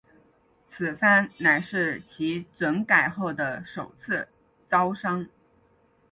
此番乃是其整改后的首次招商。